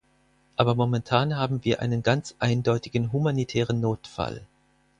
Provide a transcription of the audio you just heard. Aber momentan haben wir einen ganz eindeutigen humanitären Notfall.